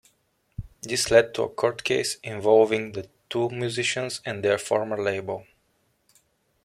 This led to a court case involving the two musicians and their former label.